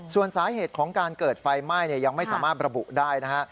ส่วนสาเหตุของการเกิดไฟไหม้ยังไม่สามารถระบุได้นะฮะ